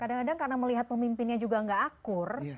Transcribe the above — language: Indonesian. kadang kadang karena melihat pemimpinnya juga nggak akur